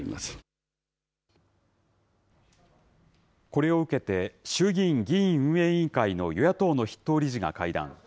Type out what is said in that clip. これを受けて、衆議院議院運営委員会の与野党の筆頭理事が会談。